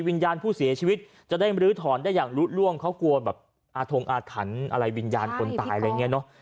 วิญญาณผู้เสียชีวิตจะได้มรื้อถอนได้อย่างลุดล่วงเขากลัวแบบอาทงอาถรรพ์อะไรวิญญาณคนตายอะไรอย่างนี้เนอะ